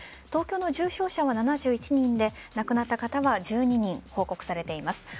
東京の重症者は７１人で亡くなった方は１２人報告されています。